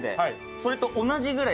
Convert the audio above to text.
それと同じぐらい。